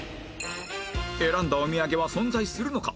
選んだお土産は存在するのか？